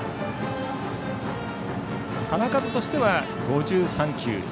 球数としては５３球。